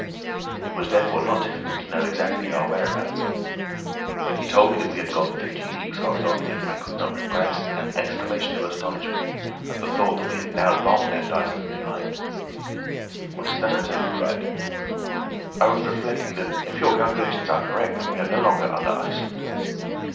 It was therefore not difficult to know exactly our whereabouts. When he told me that we had gone fifty leagues horizontally, I could not repress an exclamation of astonishment, at the thought that we had now long left Iceland behind us. "What is the matter?" he cried. "I was reflecting that if your calculations are correct we are no longer under Iceland."